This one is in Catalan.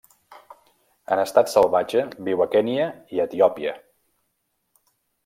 En estat salvatge, viu a Kenya i Etiòpia.